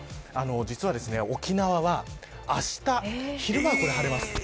実は沖縄はあした昼間は晴れます。